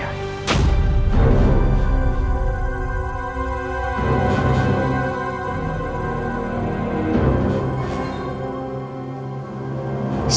apa yang sebenarnya terjadi